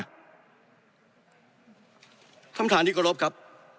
ท่านประธานอิกกฎฤล์บครับ